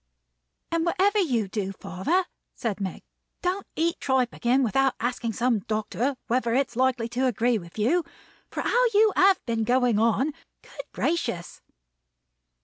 "And whatever you do, father," said Meg, "don't eat tripe again without asking some doctor whether it's likely to agree with you; for how you have been going on, Good gracious!"